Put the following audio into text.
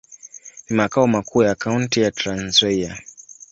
Ni makao makuu ya kaunti ya Trans-Nzoia.